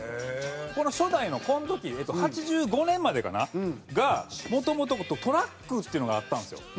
初代のこの時８５年までかな？がもともとトラックっていうのがあったんですよ。